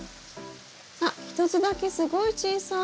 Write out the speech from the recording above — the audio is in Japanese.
あっ１つだけすごい小さい。